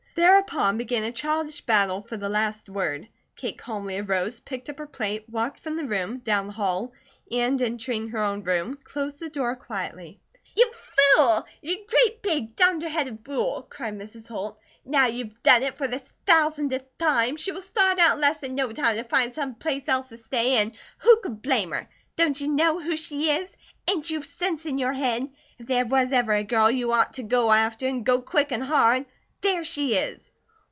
Thereupon began a childish battle for the last word. Kate calmly arose, picked up her plate, walked from the room, down the hall, and entering her own room, closed the door quietly. "You fool! You great big dunderheaded fool!" cried Mrs. Holt. "Now you have done it, for the thousandth time. She will start out in less than no time to find some place else to stay, an' who could blame her? Don't you know who she is? Ain't you sense in your head? If there was ever a girl you ort to go after, and go quick an' hard, there she is!"